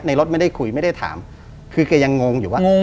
รถไม่ได้คุยไม่ได้ถามคือแกยังงงอยู่ว่า